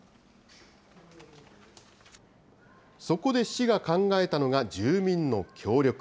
そこで市が考えたのが住民の協力。